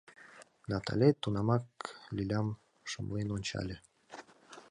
Натале тунамак Лилям шымлен ончале.